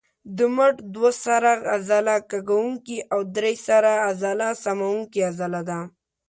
د مټ دوه سره عضله کږوونکې او درې سره عضله سموونکې عضله ده.